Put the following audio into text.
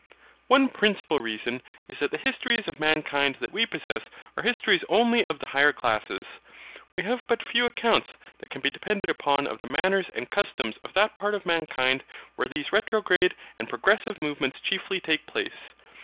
One principal reason is that the histories of mankind that we possess are histories only of the higher classes. We have but few accounts that can be depended upon of the manners and customs of that part of mankind where these retrograde and progressive movements chiefly take place.